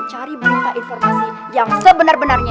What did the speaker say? cari berita informasi yang sebenar benarnya